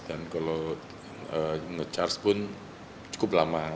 dan kalau nge charge pun cukup lama